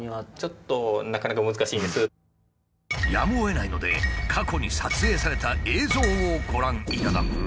やむをえないので過去に撮影された映像をご覧いただこう。